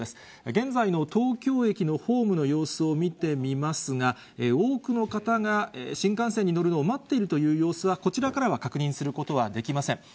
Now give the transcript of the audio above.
現在の東京駅のホームの様子を見てみますが、多くの方が新幹線に乗るのを待っているという様子は、こちらからは確認することはできません。